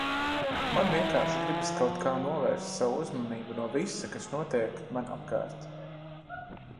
Man vienkārši gribās kaut kā novērst savu uzmanību no visa kas notiek man apkārt.